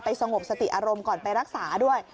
สงบสติอารมณ์ก่อนไปรักษาด้วย